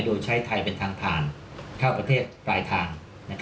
โดยใช้ไทยเป็นทางผ่านเข้าประเทศปลายทาง